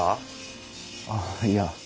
あっいや。